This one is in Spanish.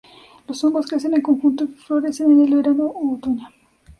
Los hongos crecen en conjunto y florecen en el verano u otoño.